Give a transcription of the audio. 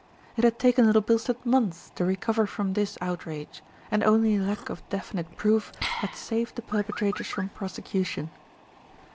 It had taken Little Bilstead months to recover from this outrage, and only lack of definite proof had saved the perpetrators from prosecution.